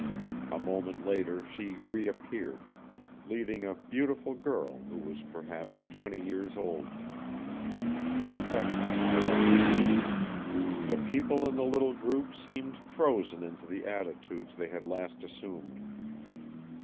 A moment later she reappeared, leading a beautiful girl who was perhaps twenty years old. The effect was electric. The people in the little group seemed frozen into the attitudes they had last assumed.